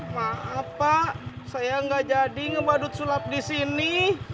maaf pak saya gak jadi ngebadut sulap disini